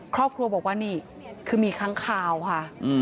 ครอบครัวบอกว่านี่คือมีค้างคาวค่ะ